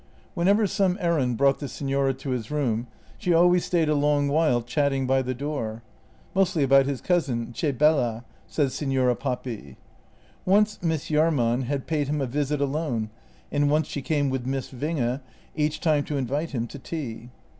Whenever some errand brought the signora to his room she al ways stayed a long while chatting by the door. Mostly about his cousin, " che bella," said Signora Papi. Once Miss Jahrman had paid him a visit alone and once she came with Miss Winge, each time to invite him to tea.